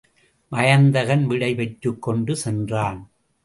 வயந்தகன் விடை பெற்றுக்கொண்டு சென்றான்.